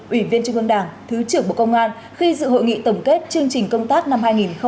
ủy viên trung ương đảng thứ trưởng bộ công an khi dự hội nghị tổng kết chương trình công tác năm hai nghìn hai mươi ba